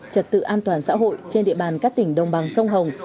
trật tự an toàn xã hội trên địa bàn các tỉnh đồng bằng sông hồng